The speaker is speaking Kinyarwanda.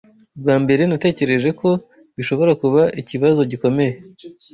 Ubwa mbere, natekereje ko bishobora kuba ikibazo gikomeye.